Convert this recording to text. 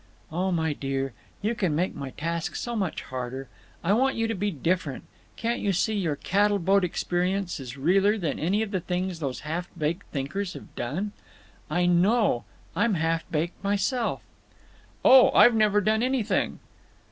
"Oh, my dear, you make my task so much harder. I want you to be different. Can't you see your cattle boat experience is realer than any of the things those half baked thinkers have done? I know. I'm half baked myself." "Oh, I've never done nothing."